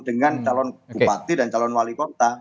dengan calon bupati dan calon wali kota